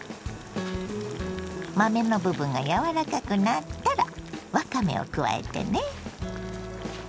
豆の部分が柔らかくなったらわかめを加えてね。